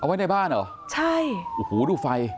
เอาไว้ในบ้านเหรอโอ้โฮดูไฟ